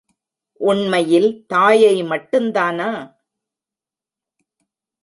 உண்மையில் தாயை மட்டும்தானா?